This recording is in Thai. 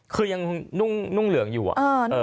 คือยังนุ่งเหลืองอยู่อะ